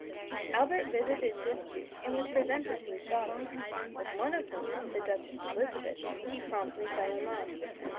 Albert visited this Duke and was presented to his daughters, with one of whom, the Duchess Elizabeth, he promptly fell in love.